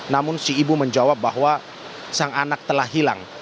namun si ibu menjawab bahwa sang anak telah hilang